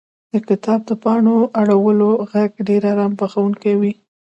• د کتاب د پاڼو اړولو ږغ ډېر آرام بښونکی وي.